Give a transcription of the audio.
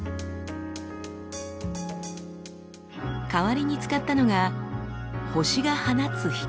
代わりに使ったのが星が放つ光。